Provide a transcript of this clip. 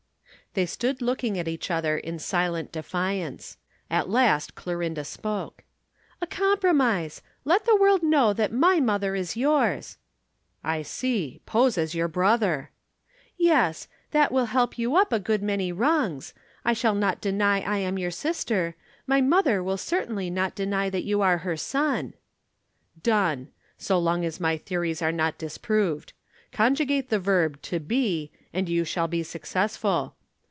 They stood looking at each other in silent defiance. At last Clorinda spoke: "A compromise! let the world know that my mother is yours." "I see. Pose as your brother!" "Yes. That will help you up a good many rungs. I shall not deny I am your sister. My mother will certainly not deny that you are her son." "Done! So long as my theories are not disproved. Conjugate the verb 'to be,' and you shall be successful.